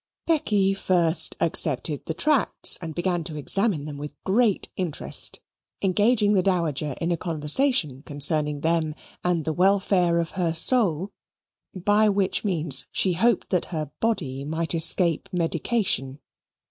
Becky first accepted the tracts and began to examine them with great interest, engaging the Dowager in a conversation concerning them and the welfare of her soul, by which means she hoped that her body might escape medication.